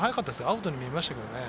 アウトに見えましたけどね。